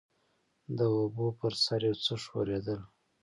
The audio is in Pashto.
د اوبو پر سر يو څه ښورېدل.